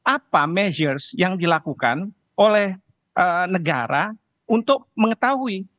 apa measures yang dilakukan oleh negara untuk mengetahui